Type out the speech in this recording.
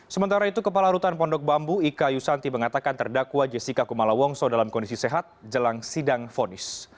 sementara itu kepala rutan pondok bambu ika yusanti mengatakan terdakwa jessica kumala wongso dalam kondisi sehat jelang sidang fonis